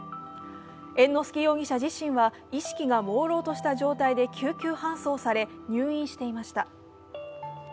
猿之助容疑者自身は意識がもうろうとした状態で救急搬送され入院していました。